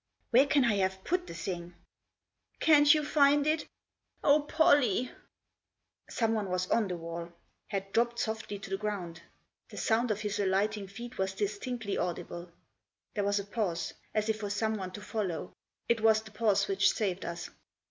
" Where can I have put the thing ?"" Can't you find it ? Oh, Pollie 1 " Someone was on the wall ; had dropped softly to the ground. The sound of his alighting feet was distinctly audible. There was a pause, as if for someone to follow. It was the pause which saved us.